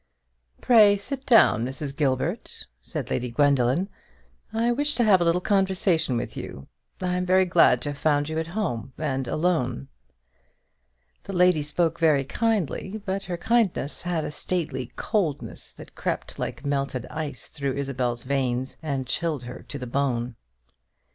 "Pray sit down, Mrs. Gilbert," said Lady Gwendoline; "I wish to have a little conversation with you. I am very glad to have found you at home, and alone." The lady spoke very kindly, but her kindness had a stately coldness that crept like melted ice through Isabel's veins, and chilled her to the bone.